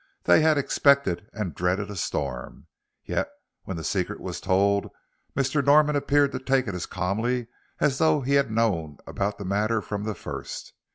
They had expected and dreaded a storm, yet when the secret was told Mr. Norman appeared to take it as calmly as though he had known about the matter from the first.